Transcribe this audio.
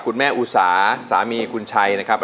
คุณแม่อุสาสามีคุณชัยนะครับ